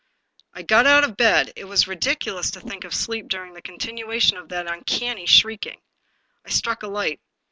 I got out of bed; it was ridiculous to think of sleep during the continuation of that uncanny shrieking. I struck a light.